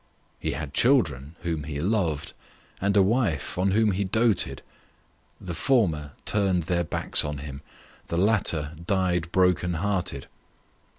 He had children whom he loved, and a wife on whom he doted. The former turned their backs on him ; the latter died broken hearted.